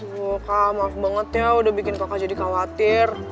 duh kak maaf banget ya udah bikin kakak jadi khawatir